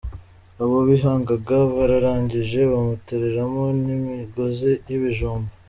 Abo bahingaga bararangije bamutereramo n’imigozi y’ibijumba.